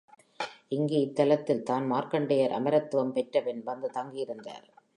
இங்கு இத்தலத்தில்தான் மார்க்கண்டேயர் அமரத்துவம் பெற்றபின் வந்த தங்கியிருக்கிறார்.